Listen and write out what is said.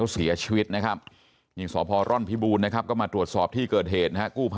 ส่วนเขาเสียชีวิต